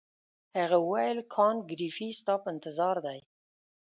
هغه وویل کانت ګریفي ستا په انتظار دی.